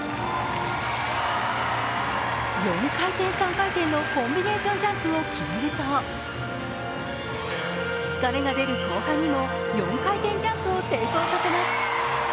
４回転・３回転のコンビネーションジャンプを決めると疲れが出る後半にも４回転ジャンプを成功させます。